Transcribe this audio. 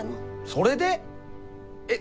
それで！？え？